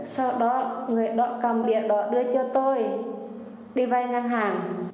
sau đó người đó cầm việc đó đưa cho tôi đi vay ngân hàng